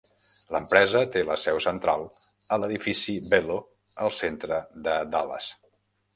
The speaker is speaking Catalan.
L'empresa té la seu central a l'edifici Belo al centre de Dallas.